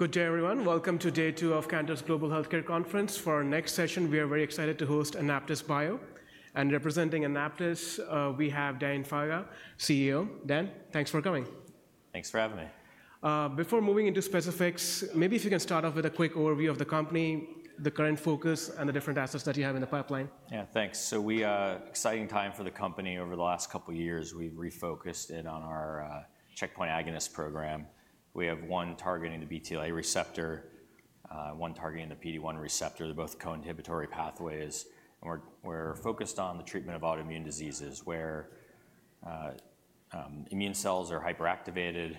Good day, everyone. Welcome to day two of Cantor's Global Healthcare Conference. For our next session, we are very excited to host AnaptysBio. And representing Anaptys, we have Dan Faga, CEO. Dan, thanks for coming. Thanks for having me. Before moving into specifics, maybe if you can start off with a quick overview of the company, the current focus, and the different assets that you have in the pipeline? Yeah, thanks. So we, exciting time for the company. Over the last couple of years, we've refocused in on our, checkpoint agonist program. We have one targeting the BTLA receptor, one targeting the PD-1 receptor. They're both co-inhibitory pathways, and we're focused on the treatment of autoimmune diseases, where immune cells are hyperactivated,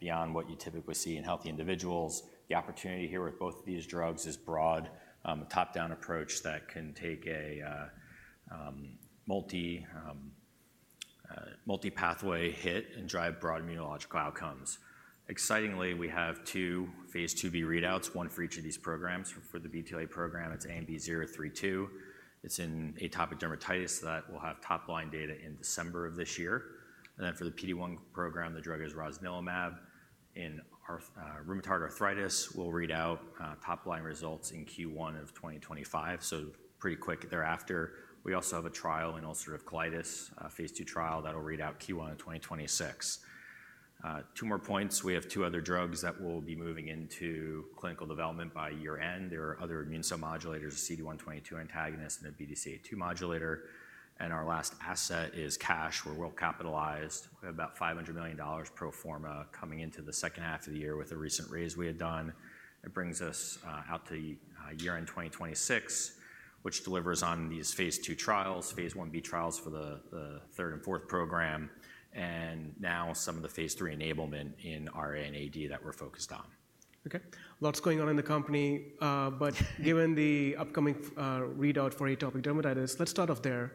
beyond what you typically see in healthy individuals. The opportunity here with both of these drugs is broad, a top-down approach that can take a multi-pathway hit and drive broad immunological outcomes. Excitingly, we have two phase IIb readouts, one for each of these programs. For the BTLA program, it's ANB032. It's in atopic dermatitis that will have topline data in December of this year. And then for the PD-1 program, the drug is rosnilimab. In rheumatoid arthritis, we'll read out top line results in Q1 of 2025, so pretty quick thereafter. We also have a trial in ulcerative colitis, a phase II trial, that will read out Q1 of 2026. Two more points. We have two other drugs that we'll be moving into clinical development by year-end. There are other immune cell modulators, a CD122 antagonist and a BDCA2 modulator. Our last asset is cash. We're well-capitalized. We have about $500 million pro forma coming into the second half of the year with a recent raise we had done. It brings us out to year-end 2026, which delivers on these phase II trials, phase Ib trials for the third and fourth program, and now some of the phase III enablement in RA and AD that we're focused on. Okay. Lots going on in the company, but given the upcoming readout for atopic dermatitis, let's start off there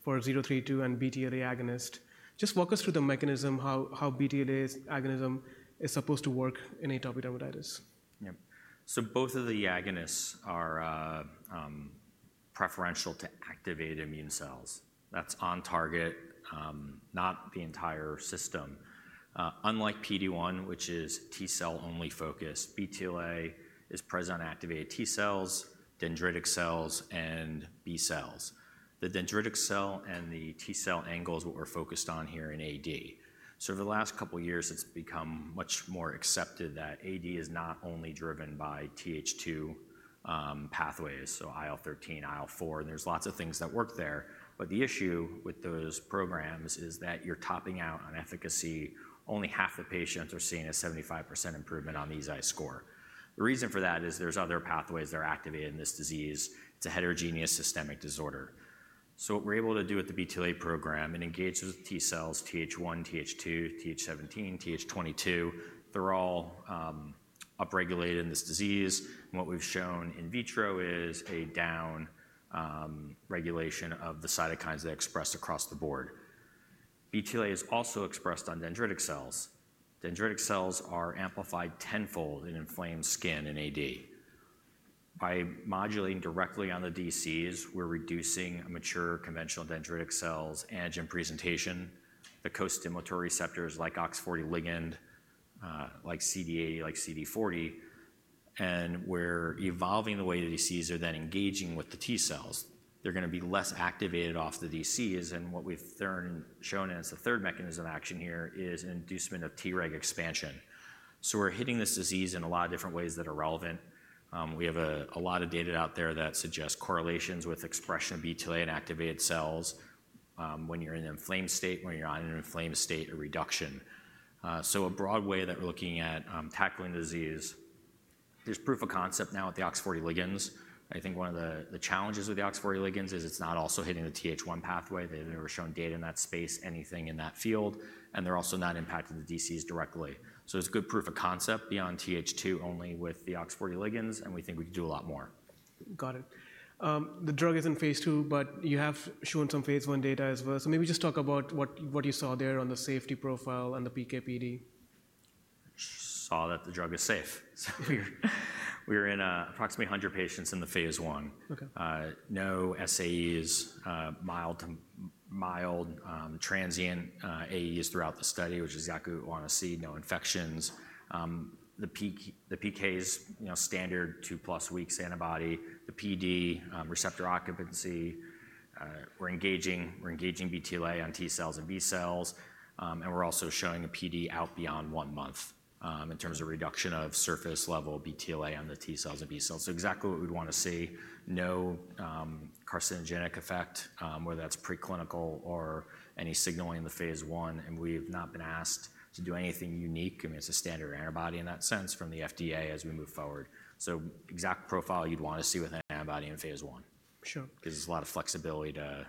for ANB032 and BTLA agonist. Just walk us through the mechanism, how BTLA's agonism is supposed to work in atopic dermatitis. Yeah. So both of the agonists are preferential to activated immune cells. That's on target, not the entire system. Unlike PD-1, which is T cell only focused, BTLA is present on activated T cells, dendritic cells, and B cells. The dendritic cell and the T cell angle is what we're focused on here in AD. So for the last couple of years, it's become much more accepted that AD is not only driven by Th2 pathways, so IL-13, IL-4, and there's lots of things that work there. But the issue with those programs is that you're topping out on efficacy. Only half the patients are seeing a 75% improvement on the EASI score. The reason for that is there's other pathways that are activated in this disease. It's a heterogeneous systemic disorder. What we're able to do with the BTLA program, it engages with T cells, Th1, Th2, Th17, Th22. They're all upregulated in this disease. What we've shown in vitro is a down regulation of the cytokines they expressed across the board. BTLA is also expressed on dendritic cells. Dendritic cells are amplified tenfold in inflamed skin in AD. By modulating directly on the DCs, we're reducing a mature conventional dendritic cell's antigen presentation, the costimulatory receptors like OX40 ligand, like CD80, like CD40, and we're evolving the way the DCs are then engaging with the T cells. They're gonna be less activated off the DCs, and what we've shown as the third mechanism of action here is inducement of T reg expansion. We're hitting this disease in a lot of different ways that are relevant. We have a lot of data out there that suggests correlations with expression of BTLA in activated cells, when you're in an inflamed state, when you're not in an inflamed state, a reduction. So a broad way that we're looking at tackling the disease, there's proof of concept now with the OX40 ligands. I think one of the challenges with the OX40 ligands is it's not also hitting the Th1 pathway. They've never shown data in that space, anything in that field, and they're also not impacting the DCs directly. So it's good proof of concept beyond Th2 only with the OX40 ligands, and we think we can do a lot more. Got it. The drug is in phase II, but you have shown some phase I data as well, so maybe just talk about what you saw there on the safety profile and the PK/PD. Saw that the drug is safe. So we're in approximately 100 patients in the phase I. Okay. No SAEs, mild to mild, transient AEs throughout the study, which is exactly what we want to see, no infections. The PK is, you know, standard two-plus weeks antibody, the PD, receptor occupancy. We're engaging BTLA on T cells and B cells, and we're also showing a PD out beyond one month, in terms of reduction of surface level BTLA on the T cells and B cells. So exactly what we'd want to see. No carcinogenic effect, whether that's preclinical or any signaling in the phase I, and we've not been asked to do anything unique. I mean, it's a standard antibody in that sense from the FDA as we move forward. So exact profile you'd want to see with an antibody in phase I. Sure. -because there's a lot of flexibility to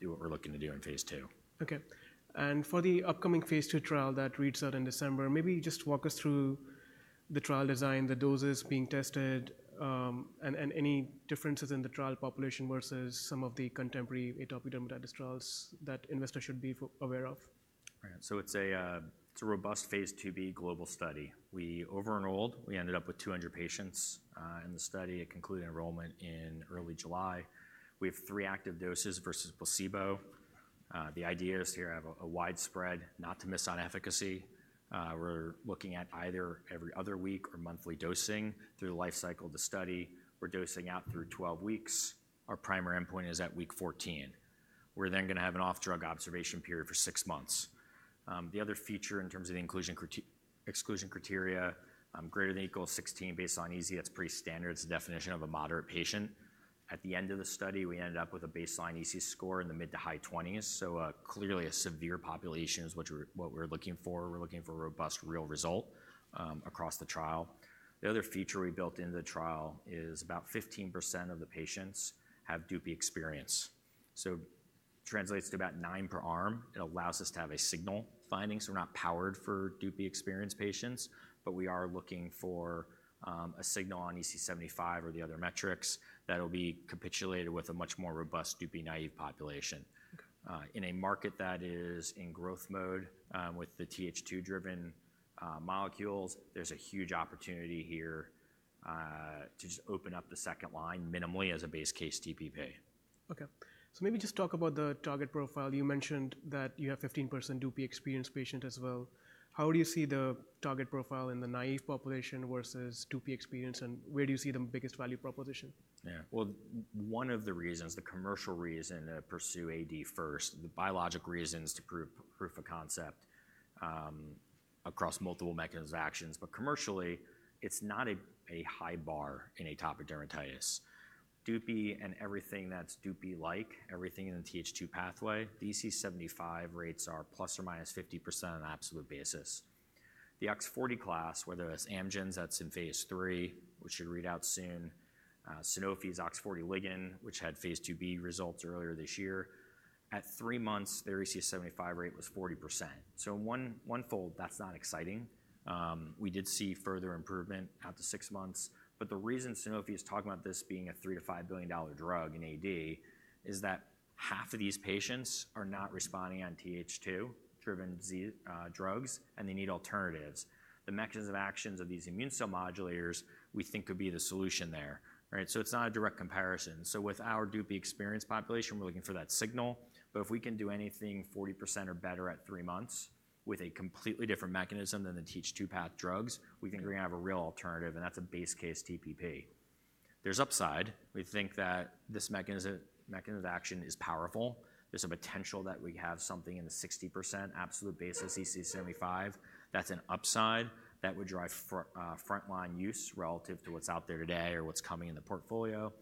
do what we're looking to do in phase II. Okay. And for the upcoming phase II trial that reads out in December, maybe just walk us through the trial design, the doses being tested, and any differences in the trial population versus some of the contemporary atopic dermatitis trials that investors should be aware of. Right. So it's a robust phase IIb global study. We over-enrolled, we ended up with 200 in the study. It concluded enrollment in early July. We have three active doses versus placebo. The idea is to have a widespread not to miss on efficacy. We're looking at either every other week or monthly dosing through the life cycle of the study. We're dosing out through 12 weeks. Our primary endpoint is at week 14. We're then gonna have an off-drug observation period for six months. The other feature in terms of the inclusion criteria, exclusion criteria, ≥16 based on EASI, that's pretty standard. It's the definition of a moderate patient. At the end of the study, we ended up with a baseline EASI score in the mid to high twenties, so clearly a severe population is what we're looking for. We're looking for a robust, real result across the trial. The other feature we built into the trial is about 15% of the patients have Dupi experience. So translates to about nine per arm. It allows us to have a signal finding, so we're not powered for Dupi experience patients, but we are looking for a signal on EASI-75 or the other metrics that'll be replicated with a much more robust Dupi-naive population. Okay. In a market that is in growth mode, with the Th2-driven molecules, there's a huge opportunity here to just open up the second line minimally as a base case TPP. Maybe just talk about the target profile. You mentioned that you have 15% Dupi-experienced patients as well. How do you see the target profile in the naive population versus Dupi-experienced, and where do you see the biggest value proposition? Yeah. Well, one of the reasons, the commercial reason, to pursue AD first, the biologic reason is to prove proof of concept, across multiple mechanisms of actions, but commercially, it's not a high bar in atopic dermatitis. Dupi and everything that's Dupi-like, everything in the Th2 pathway, the EASI-75 rates are ±50% on an absolute basis. The OX40 class, whether it's Amgen's, that's in phase III, which should read out soon, Sanofi's OX40 ligand, which had phase IIb results earlier this year, at three months, their EASI-75 rate was 40%. So, onefold, that's not exciting. We did see further improvement out to six months, but the reason Sanofi is talking about this being a $3 billion-$5 billion drug in AD is that half of these patients are not responding on Th2-driven drugs, and they need alternatives. The mechanisms of actions of these immune cell modulators, we think, could be the solution there, right? So it's not a direct comparison. So with our Dupi experience population, we're looking for that signal, but if we can do anything 40% or better at three months with a completely different mechanism than the Th2 path drugs, we think we're gonna have a real alternative, and that's a base case TPP. There's upside. We think that this mechanism, mechanism of action is powerful. There's a potential that we have something in the 60% absolute basis of EASI-75. That's an upside that would drive frontline use relative to what's out there today or what's coming in the portfolio.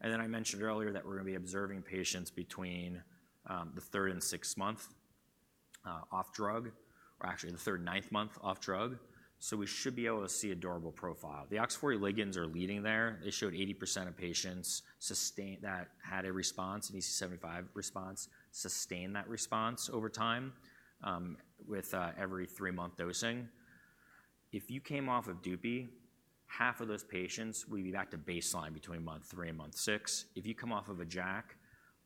And then I mentioned earlier that we're gonna be observing patients between the third and sixth month off drug, or actually the third, ninth month off drug. So we should be able to see a durable profile. The OX40 ligands are leading there. They showed 80% of patients that had a response, an EASI-75 response, sustained that response over time with every three-month dosing. If you came off of Dupi, half of those patients will be back to baseline between month three and month six. If you come off of a JAK,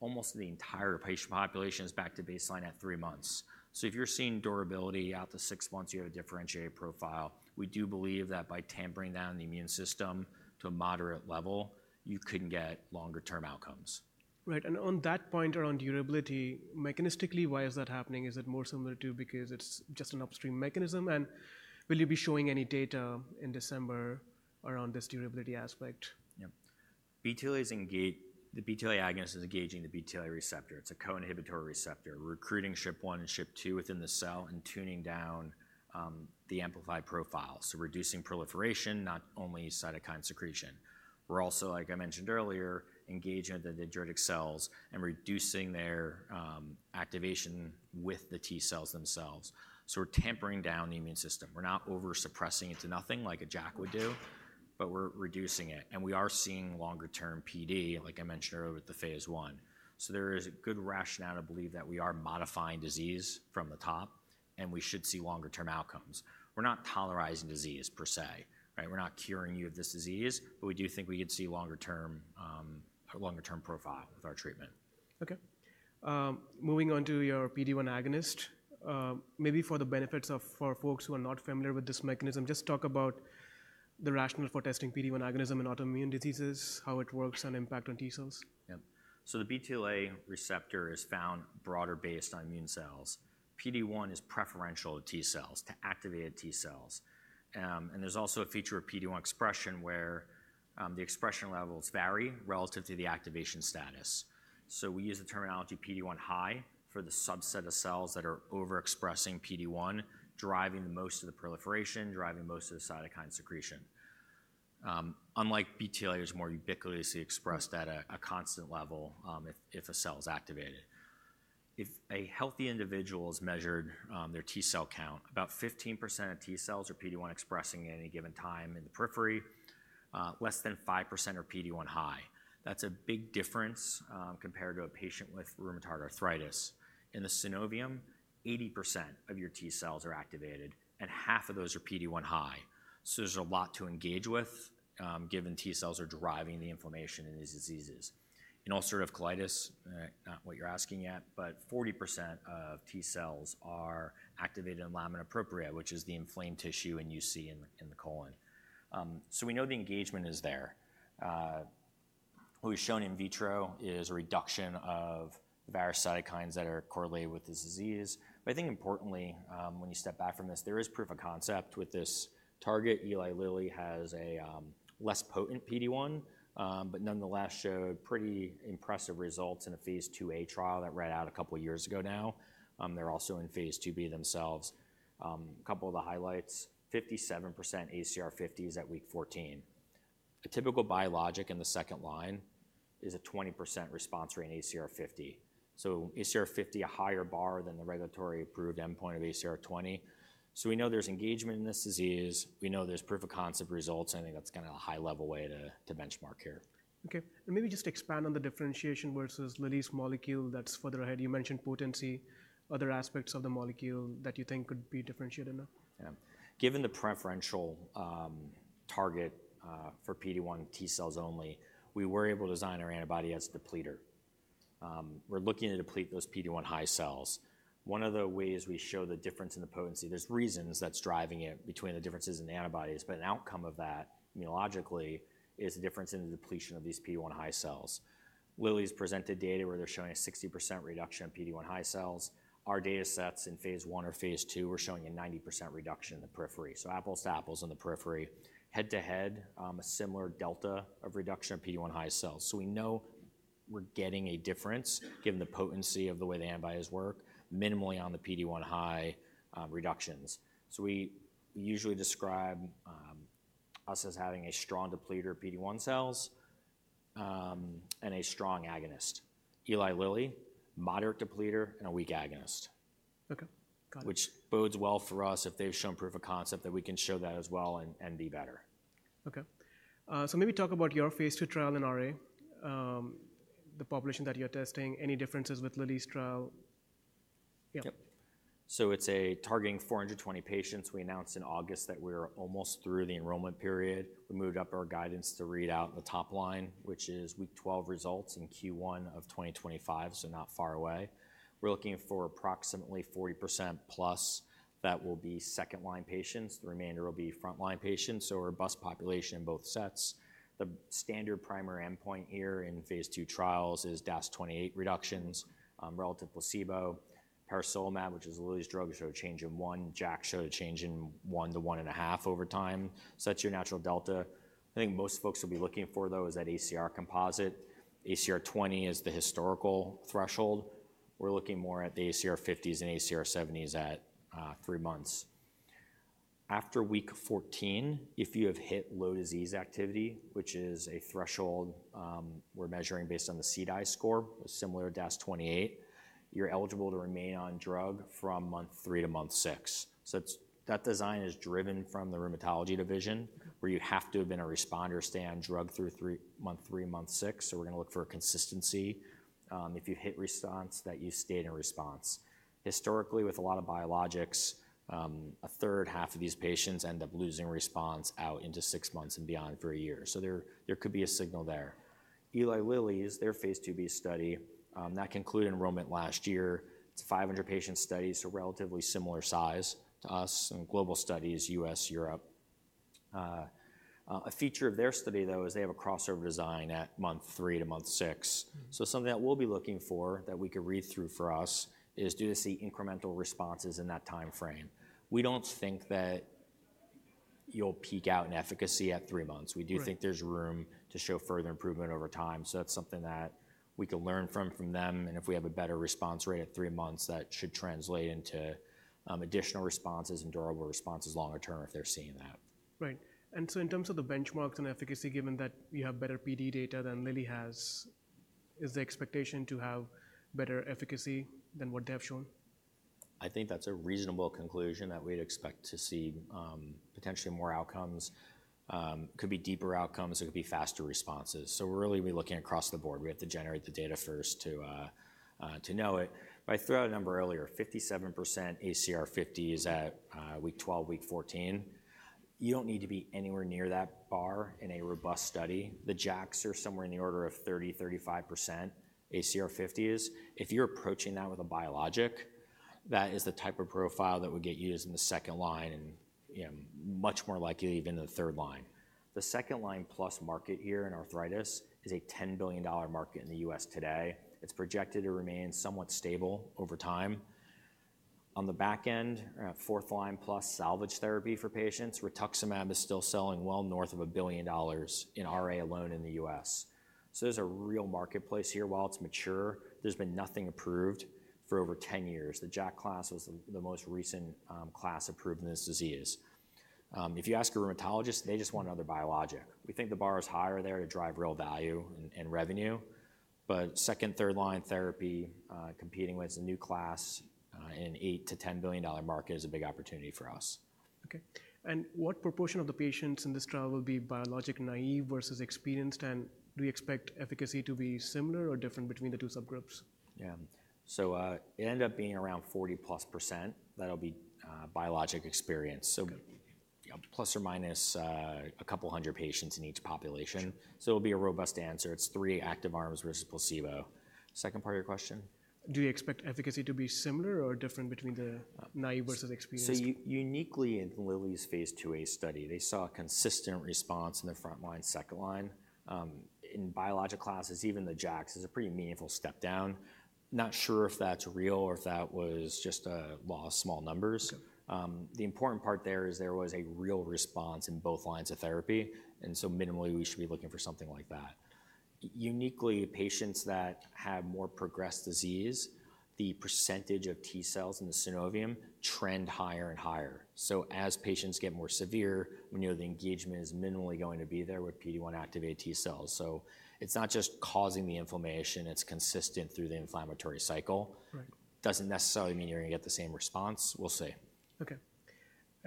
almost the entire patient population is back to baseline at three months. So if you're seeing durability out to six months, you have a differentiated profile. We do believe that by tamping down the immune system to a moderate level, you can get longer-term outcomes. Right, and on that point around durability, mechanistically, why is that happening? Is it more similar to because it's just an upstream mechanism? And will you be showing any data in December around this durability aspect? Yep. BTLA is engaging the BTLA receptor. It's a co-inhibitory receptor, recruiting SHP-1 and SHP-2 within the cell and toning down the amplified profile. So reducing proliferation, not only cytokine secretion. We're also, like I mentioned earlier, engaging the dendritic cells and reducing their activation with the T cells themselves. So we're tamping down the immune system. We're not over-suppressing it to nothing like a JAK would do, but we're reducing it, and we are seeing longer term PD, like I mentioned earlier with the phase I. So there is a good rationale to believe that we are modifying disease from the top, and we should see longer term outcomes. We're not tolerizing disease per se, right? We're not curing you of this disease, but we do think we could see longer term, a longer term profile with our treatment. Okay. Moving on to your PD-1 agonist, maybe for folks who are not familiar with this mechanism, just talk about the rationale for testing PD-1 agonist in autoimmune diseases, how it works, and impact on T cells. Yep. So the BTLA receptor is found on a broader base of immune cells. PD-1 is preferential to T cells, to activated T cells. And there's also a feature of PD-1 expression where the expression levels vary relative to the activation status. So we use the terminology PD-1 high for the subset of cells that are overexpressing PD-1, driving most of the proliferation, driving most of the cytokine secretion. Unlike BTLA, which is more ubiquitously expressed at a constant level if a cell is activated. If a healthy individual is measured, their T cell count, about 15% of T cells are PD-1 expressing at any given time in the periphery. Less than 5% are PD-1 high. That's a big difference compared to a patient with rheumatoid arthritis. In the synovium, 80% of your T cells are activated, and half of those are PD-1 high. So there's a lot to engage with, given T cells are driving the inflammation in these diseases. In ulcerative colitis, not what you're asking at, but 40% of T cells are activated in lamina propria, which is the inflamed tissue, and you see in the colon. So we know the engagement is there. What we've shown in vitro is a reduction of various cytokines that are correlated with this disease. But I think importantly, when you step back from this, there is proof of concept with this target. Eli Lilly has a less potent PD-1, but nonetheless showed pretty impressive results in a phase IIa trial that read out a couple of years ago now. They're also in phase IIb themselves. A couple of the highlights, 57% ACR50s at week 14. A typical biologic in the second line is a 20% response rate in ACR50. So ACR50, a higher bar than the regulatory approved endpoint of ACR20. So we know there's engagement in this disease. We know there's proof of concept results, and I think that's kind of a high-level way to benchmark here. Okay, and maybe just expand on the differentiation versus Lilly's molecule that's further ahead. You mentioned potency, other aspects of the molecule that you think could be differentiated now? Yeah. Given the preferential target for PD-1 T cells only, we were able to design our antibody as a depleter. We're looking to deplete those PD-1 high cells. One of the ways we show the difference in the potency, there's reasons that's driving it between the differences in the antibodies, but an outcome of that, immunologically, is the difference in the depletion of these PD-1 high cells. Lilly's presented data where they're showing a 60% reduction in PD-1 high cells. Our data sets in phase I or phase II, we're showing a 90% reduction in the periphery. So apples to apples in the periphery. Head-to-head, a similar delta of reduction in PD-1 high cells. So we know we're getting a difference, given the potency of the way the antibodies work, minimally on the PD-1 high reductions. So we usually describe us as having a strong depleter PD-1 cells and a strong agonist. Eli Lilly, moderate depleter and a weak agonist. Okay, got it. Which bodes well for us if they've shown proof of concept that we can show that as well and be better. Okay. So maybe talk about your phase II trial in RA, the population that you're testing, any differences with Lilly's trial? Yeah. Yep. So it's targeting 400 patients. We announced in August that we're almost through the enrollment period. We moved up our guidance to read out the top line, which is week 12 results in Q1 of 2025, so not far away. We're looking for approximately 40%+, that will be second-line patients. The remainder will be front-line patients, so a robust population in both sets. The standard primary endpoint here in phase II trials is DAS28 reductions relative placebo. Peresolimab, which is Lilly's drug, showed a change in one. JAK showed a change in one to 1.5 over time. So that's your natural delta. I think most folks will be looking for, though, is that ACR composite. ACR20 is the historical threshold. We're looking more at the ACR50s and ACR70s at three months. After week 14, if you have hit low disease activity, which is a threshold, we're measuring based on the CDAI score, similar to DAS28, you're eligible to remain on drug from month three to month six. So it's that design is driven from the rheumatology division, where you have to have been a responder to stay on drug through three, month three to month six. So we're gonna look for a consistency, if you hit response, that you stay in response. Historically, with a lot of biologics, a third half of these patients end up losing response out into six months and beyond for a year. So there could be a signal there. Eli Lilly's their phase IIb study that concluded enrollment last year. It's a 500-patient study, so relatively similar size to us in global studies, U.S., Europe. A feature of their study, though, is they have a crossover design at month three to month six. So something that we'll be looking for, that we could read through for us, is do they see incremental responses in that time frame? We don't think that you'll peak out in efficacy at three months. Right. We do think there's room to show further improvement over time. So that's something that we can learn from them, and if we have a better response rate at three months, that should translate into additional responses and durable responses longer term if they're seeing that. Right. And so in terms of the benchmarks and efficacy, given that you have better PD data than Lilly has, is the expectation to have better efficacy than what they have shown? I think that's a reasonable conclusion that we'd expect to see potentially more outcomes. Could be deeper outcomes, it could be faster responses. So we're really looking across the board. We have to generate the data first to know it. But I threw out a number earlier, 57% ACR50 is at week 12, week 14. You don't need to be anywhere near that bar in a robust study. The JAKs are somewhere in the order of 30%-35% ACR50s. If you're approaching that with a biologic, that is the type of profile that would get used in the second line and much more likely even in the third line. The second-line plus market here in arthritis is a $10 billion market in the U.S. today. It's projected to remain somewhat stable over time. On the back end, fourth line plus salvage therapy for patients, rituximab is still selling well north of $1 billion in RA alone in the U.S.. So there's a real marketplace here. While it's mature, there's been nothing approved for over 10 years. The JAK class was the most recent class approved in this disease. If you ask a rheumatologist, they just want another biologic. We think the bar is higher there to drive real value and revenue, but second, third-line therapy, competing with a new class, in $8-$10 billion market is a big opportunity for us. Okay. And what proportion of the patients in this trial will be biologic naive versus experienced, and do you expect efficacy to be similar or different between the two subgroups? Yeah. So, it ended up being around 40%+. That'll be biologic experience. Okay. So plus or minus, a couple hundred patients in each population. Sure. So it'll be a robust answer. It's three active arms versus placebo. Second part of your question?... Do you expect efficacy to be similar or different between the naive versus experienced? So uniquely in Lilly's phase IIa study, they saw a consistent response in the front line, second line. In biologic classes, even the JAKs, is a pretty meaningful step down. Not sure if that's real or if that was just a law of small numbers. The important part there is there was a real response in both lines of therapy, and so minimally, we should be looking for something like that. Uniquely, patients that have more progressed disease, the percentage of T cells in the synovium trend higher and higher. So as patients get more severe, we know the engagement is minimally going to be there with PD-1 activated T cells. So it's not just causing the inflammation, it's consistent through the inflammatory cycle. Right. Doesn't necessarily mean you're going to get the same response. We'll see. Okay,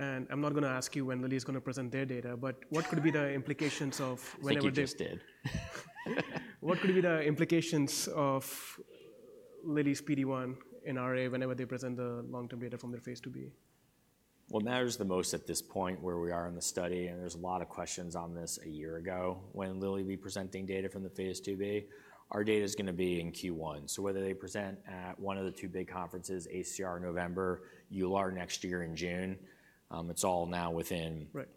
and I'm not going to ask you when Lilly is going to present their data, but what could be the implications of whenever they? I think you just did. What could be the implications of Lilly's PD-1 in RA whenever they present the long-term data from their phase IIb? What matters the most at this point, where we are in the study, and there's a lot of questions on this a year ago, when will Lilly be presenting data from the phase IIb? Our data is going to be in Q1, so whether they present at one of the two big conferences, ACR in November, EULAR next year in June, it's all now within- Right...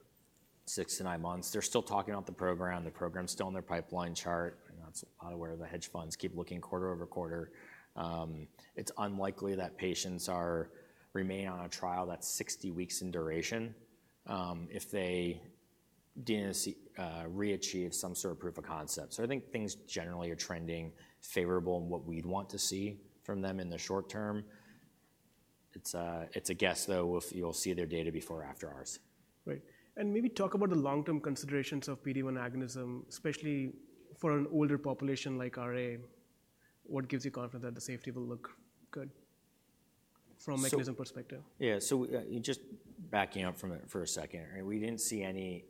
six to nine months. They're still talking about the program. The program's still on their pipeline chart. I know that's probably where the hedge funds keep looking quarter over quarter. It's unlikely that patients remain on a trial that's 60 weeks in duration, if they didn't see re-achieve some sort of proof of concept. So I think things generally are trending favorable in what we'd want to see from them in the short term. It's a guess, though, if you'll see their data before or after ours. Right. And maybe talk about the long-term considerations of PD-1 agonism, especially for an older population like RA. What gives you confidence that the safety will look good from a mechanism perspective? Yeah, so just backing up from it for a second, we didn't see any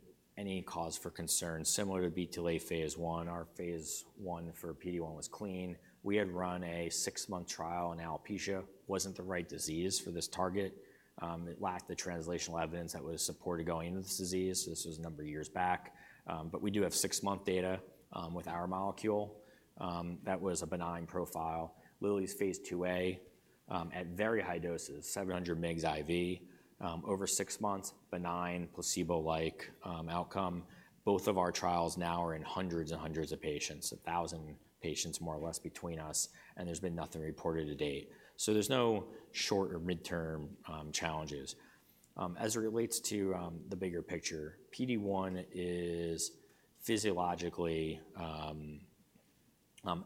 cause for concern, similar to BTLA phase I. Our phase I for PD-1 was clean. We had run a six-month trial, and alopecia wasn't the right disease for this target. It lacked the translational evidence that was supported going into this disease. So this was a number of years back, but we do have six-month data with our molecule. That was a benign profile. Lilly's phase IIa at very high doses, 700 mgs IV over six months, benign, placebo-like outcome. Both of our trials now are in hundreds and hundreds of patients, 1,000 patients, more or less between us, and there's been nothing reported to date. So there's no short or midterm challenges. As it relates to the bigger picture, PD-1 is physiologically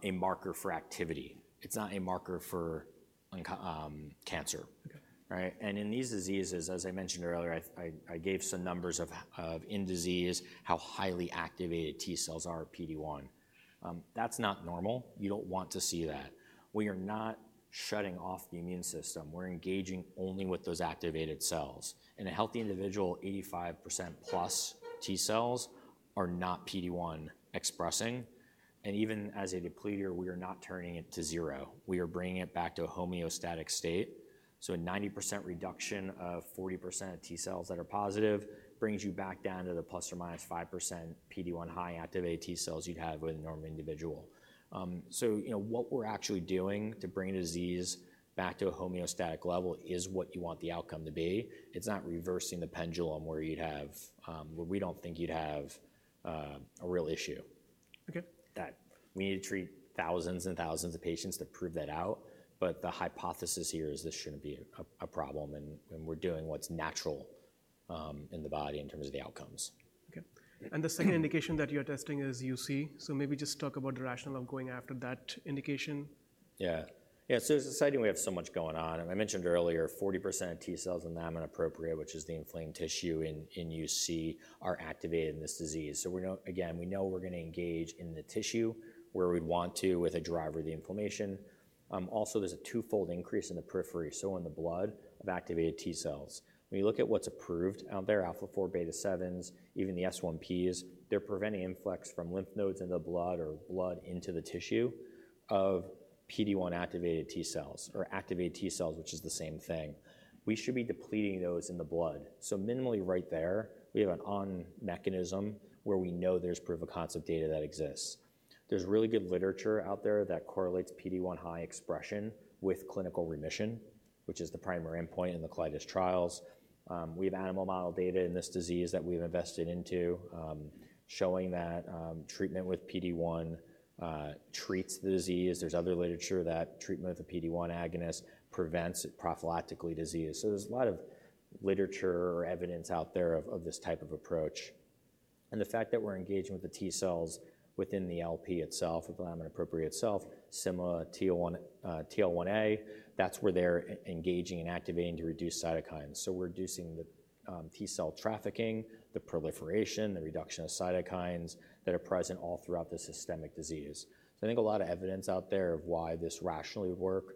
a marker for activity. It's not a marker for cancer. Okay. Right? And in these diseases, as I mentioned earlier, I gave some numbers of in disease, how highly activated T cells are PD-1. That's not normal. You don't want to see that. We are not shutting off the immune system. We're engaging only with those activated cells. In a healthy individual, 85%+ T cells are not PD-1 expressing, and even as a depleter, we are not turning it to zero. We are bringing it back to a homeostatic state. So a 90% reduction of 40% of T cells that are positive brings you back down to the ±5% PD-1 high activated T cells you'd have with a normal individual. So, you know, what we're actually doing to bring the disease back to a homeostatic level is what you want the outcome to be. It's not reversing the pendulum where we don't think you'd have a real issue. Okay. That we need to treat thousands and thousands of patients to prove that out. But the hypothesis here is this shouldn't be a problem, and we're doing what's natural in the body in terms of the outcomes. Okay, and the second indication that you're testing is UC, so maybe just talk about the rationale of going after that indication. Yeah. Yeah, so it's exciting we have so much going on, and I mentioned earlier, 40% of T cells in the lamina propria, which is the inflamed tissue in, in UC, are activated in this disease. So we know, again, we know we're going to engage in the tissue where we'd want to with a driver of the inflammation. Also, there's a twofold increase in the periphery, so in the blood of activated T cells. When you look at what's approved out there, alpha-4, beta-7s, even the S1Ps, they're preventing influx from lymph nodes in the blood or blood into the tissue of PD-1 activated T cells or activated T cells, which is the same thing. We should be depleting those in the blood. So minimally right there, we have an on mechanism where we know there's proof of concept data that exists. There's really good literature out there that correlates PD-1 high expression with clinical remission, which is the primary endpoint in the colitis trials. We have animal model data in this disease that we've invested into, showing that treatment with PD-1 treats the disease. There's other literature that treatment with a PD-1 agonist prevents prophylactically disease. So there's a lot of literature or evidence out there of this type of approach. And the fact that we're engaging with the T cells within the LP itself, the lamina propria itself, similar to TL1A, that's where they're engaging and activating to reduce cytokines. So we're reducing the T cell trafficking, the proliferation, the reduction of cytokines that are present all throughout the systemic disease. So I think a lot of evidence out there of why this rationally work.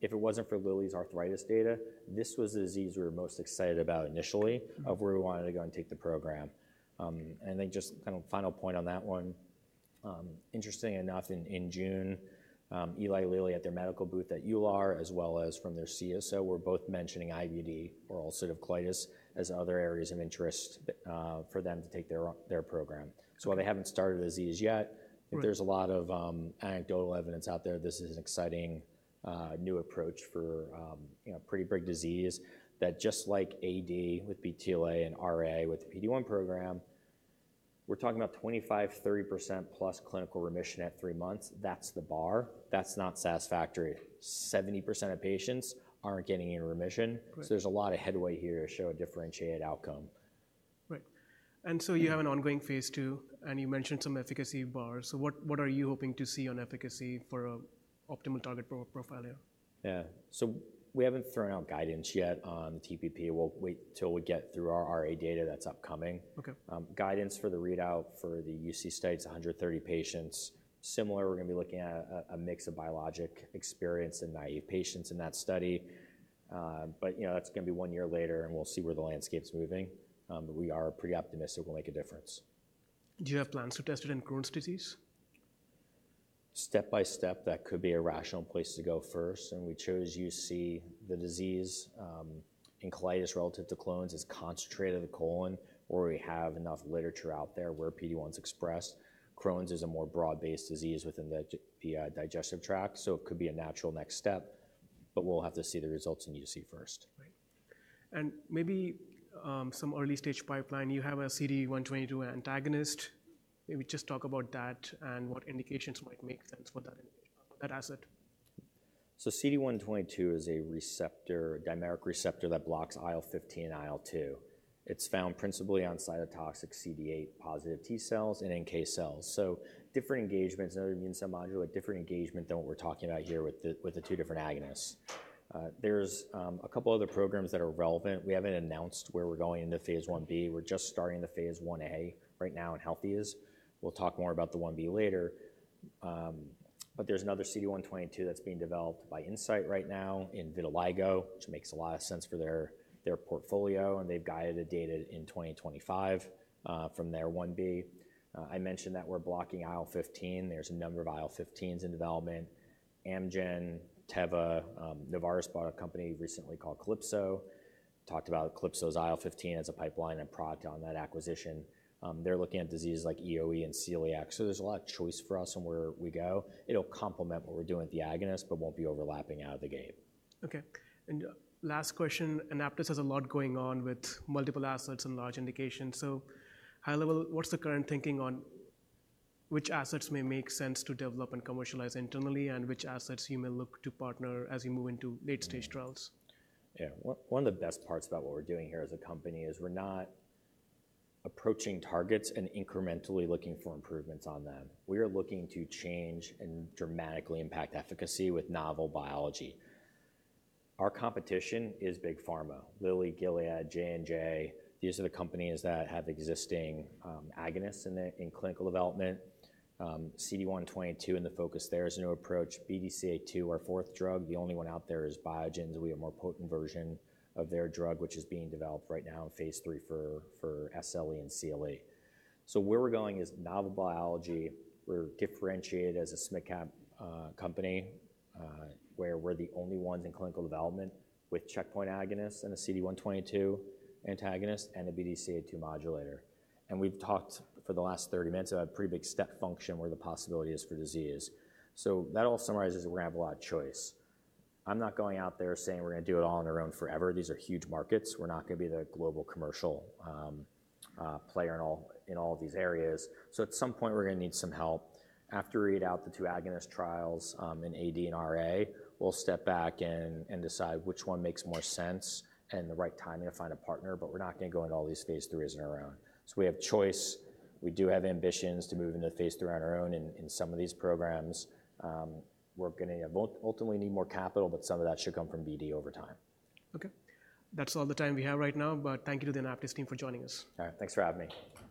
If it wasn't for Lilly's arthritis data, this was the disease we were most excited about initially. Mm-hmm. of where we wanted to go and take the program. And then just kind of final point on that one. Interestingly enough, in June, Eli Lilly at their medical booth at EULAR, as well as from their CSO, were both mentioning IBD or ulcerative colitis as other areas of interest for them to take their program. Okay. They haven't started the disease yet. Right. But there's a lot of anecdotal evidence out there. This is an exciting new approach for you know pretty big disease that just like AD with BTLA and RA with the PD-1 program, we're talking about 25%-30%+ clinical remission at three months. That's the bar. That's not satisfactory. 70% of patients aren't getting any remission. Right. So there's a lot of headway here to show a differentiated outcome. Right. And so you have an ongoing phase II, and you mentioned some efficacy bars. So what, what are you hoping to see on efficacy for a optimal target pro- profile here? Yeah. So we haven't thrown out guidance yet on TPP. We'll wait till we get through our RA data that's upcoming. Okay. Guidance for the readout for the UC study, 130 patients. Similar, we're gonna be looking at a mix of biologic-experienced and naïve patients in that study. But, you know, that's gonna be one year later, and we'll see where the landscape's moving. But we are pretty optimistic we'll make a difference. Do you have plans to test it in Crohn's disease? Step by step, that could be a rational place to go first, and we chose UC. The disease in colitis relative to Crohn's is concentrated in the colon, where we have enough literature out there where PD-1 is expressed. Crohn's is a more broad-based disease within the digestive tract, so it could be a natural next step, but we'll have to see the results in UC first. Right. And maybe, some early-stage pipeline. You have a CD122 antagonist. Maybe just talk about that and what indications might make sense for that asset. CD122 is a receptor, dimeric receptor that blocks IL-15 and IL-2. It's found principally on cytotoxic CD8+ T cells and NK cells. Different engagements, another immune cell modulator, different engagement than what we're talking about here with the two different agonists. There's a couple other programs that are relevant. We haven't announced where we're going into phase Ib. We're just starting the phase Ia right now in healthy. We'll talk more about the Ib later. There's another CD122 that's being developed by Incyte right now in vitiligo, which makes a lot of sense for their portfolio, and they've guided the data in 2025 from their Ib. I mentioned that we're blocking IL-15. There's a number of IL-15s in development. Amgen, Teva, Novartis bought a company recently called Calypso. Talked about Calypso's IL-15 as a pipeline and product on that acquisition. They're looking at diseases like EoE and celiac, so there's a lot of choice for us on where we go. It'll complement what we're doing with the agonist but won't be overlapping out of the gate. Okay, and last question, AnaptysBio has a lot going on with multiple assets and large indications. So, high level, what's the current thinking on which assets may make sense to develop and commercialize internally, and which assets you may look to partner as you move into late-stage trials? Yeah. One of the best parts about what we're doing here as a company is we're not approaching targets and incrementally looking for improvements on them. We are looking to change and dramatically impact efficacy with novel biology. Our competition is Big Pharma, Lilly, Gilead, J&J. These are the companies that have existing agonists in clinical development. CD122 and the focus there is a new approach. BDCA2, our fourth drug, the only one out there is Biogen's. We have a more potent version of their drug, which is being developed right now in phase III for SLE and CLE. So where we're going is novel biology. We're differentiated as a SMID-cap company, where we're the only ones in clinical development with checkpoint agonists and a CD122 antagonist and a BDCA2 modulator. We've talked for the last thirty minutes about a pretty big step function where the possibility is for disease. That all summarizes we're gonna have a lot of choice. I'm not going out there saying we're gonna do it all on our own forever. These are huge markets. We're not gonna be the global commercial player in all of these areas. At some point, we're gonna need some help. After we read out the two agonist trials in AD and RA, we'll step back and decide which one makes more sense and the right timing to find a partner, but we're not gonna go into all these phase IIIs on our own. We have choice. We do have ambitions to move into phase III on our own in some of these programs. We're gonna ultimately need more capital, but some of that should come from BD over time. Okay. That's all the time we have right now, but thank you to the AnaptysBio team for joining us. All right. Thanks for having me.